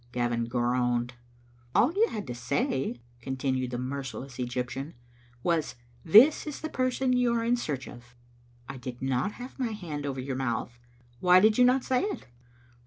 Gavin groaned. "All you had to say," continued the merciless Egyp tian, " was, 'This is the person you are in search of. * I did not have my hand over your mouth. Why did you not say it?"